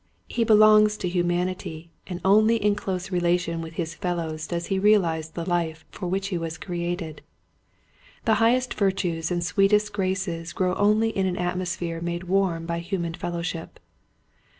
He belongs to humanity and only in close relation with his fellows does he realize the Hfe for which he was created. The highest virtues and sweetest graces grow only in an atmosphere made warm by human fellowship.